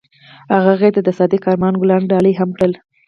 هغه هغې ته د صادق آرمان ګلان ډالۍ هم کړل.